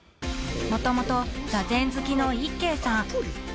［もともと座禅好きの一慶さん］